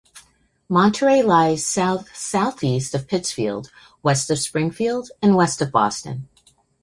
Monterey lies south-southeast of Pittsfield, west of Springfield, and west of Boston.